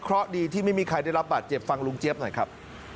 เพราะดีที่ไม่มีใครได้รับบาดเจ็บฟังลุงเจี๊ยบหน่อยครับ